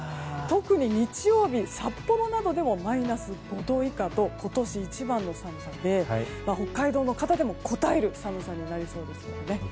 特に日曜日、札幌などでもマイナス５度以下と今年一番の寒さで北海道の方でもこたえる寒さになりそうですね。